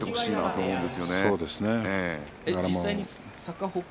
そうです。